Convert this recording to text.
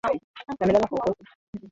Amelala fofofo